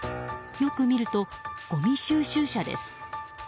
よく見ると、ごみ収集車です。